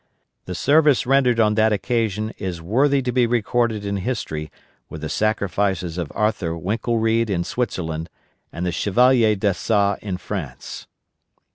The service rendered on that occasion is worthy to be recorded in history with the sacrifices of Arthur Winckelried in Switzerland, and the Chevalier d'Assas in France.